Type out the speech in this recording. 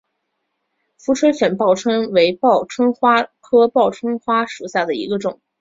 俯垂粉报春为报春花科报春花属下的一个种。